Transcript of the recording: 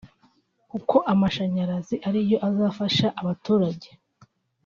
kuko amashanyarazi ariyo azafasha abaturage